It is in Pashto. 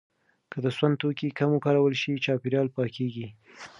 که د سون توکي کم وکارول شي، چاپیریال پاکېږي.